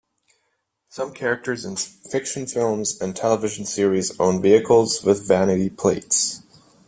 Some characters in fiction films and television series own vehicles with vanity plates.